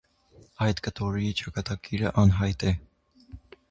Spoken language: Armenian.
Այդ կտորի ճակատագիրը անհայտ է։